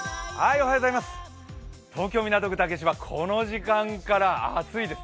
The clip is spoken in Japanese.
東京・港区竹芝、この時間から暑いです。